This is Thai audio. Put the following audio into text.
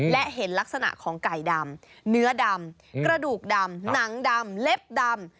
และเห็นลักษณะของไก่ดำเนื้อดำกระดูกดำหนังดำเล็บดำ